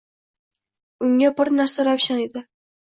Unga bir narsa ravshan edi